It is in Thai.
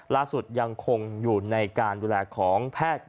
ล่าสุดยังคงอยู่ในการดูแลของแพทย์